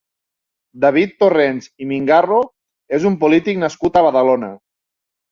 David Torrents i Mingarro és un polític nascut a Badalona.